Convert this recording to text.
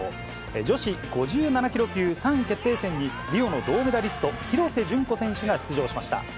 女子５７キロ級３位決定戦に、リオの銅メダリスト、廣瀬順子選手が出場しました。